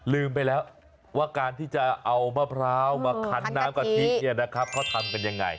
ลืมไปแล้วว่าการที่จะเอามะพร้าวมาคันน้ำกะทิเขาทำเป็นยังไง